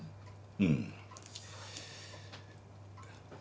うん？